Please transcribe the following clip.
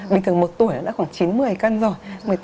bình thường một tuổi đã khoảng chín mươi cân rồi